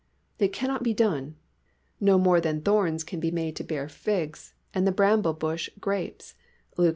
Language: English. It cannot be done; no more than thorns can be made to bear figs and the bramble bush grapes (Luke vi.